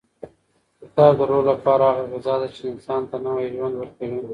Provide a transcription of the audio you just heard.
کتاب د روح لپاره هغه غذا ده چې انسان ته نوی ژوند ورکوي.